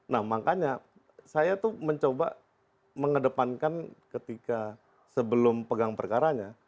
nah makanya saya tuh mencoba mengedepankan ketika sebelum pegang perkaranya